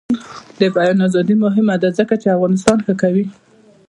د بیان ازادي مهمه ده ځکه چې افغانستان ښه کوي.